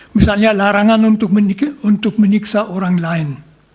misalnya larangan untuk menyiksa orang lain